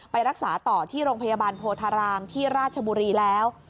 ไปรักษาต่อที่โรงพยาบาลโพธารามที่ราชบุรีแล้ว